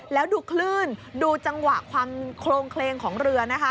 แล้วดูคลื่นดูจังหวะความโครงเคลงของเรือนะคะ